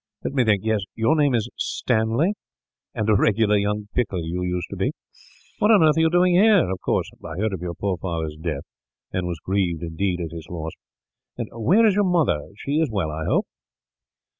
Let me think; yes, your name is Stanley, and a regular young pickle you used to be. What on earth are you doing here? Of course, I heard of your poor father's death, and was grieved, indeed, at his loss. Where is your mother? She is well, I hope."